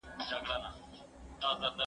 آیا استوا تر قطب ډېره ګرمه ده؟